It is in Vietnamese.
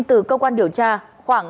từ cơ quan điều tra khoảng